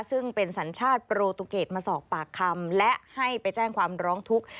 ซึ่งเป็นสัญชาติโปรตูเกตมาสอบปากคำและให้ไปแจ้งความร้องทุกข์